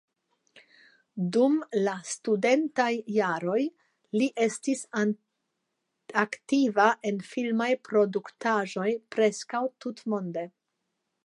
Dum la studentaj jaroj li estis aktiva en filmaj produktaĵoj preskaŭ tutmonde.